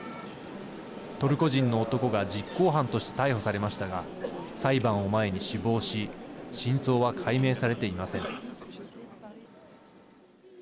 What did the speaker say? トルコ人の男が実行犯として逮捕されましたが裁判を前に死亡し真相は解明されていません。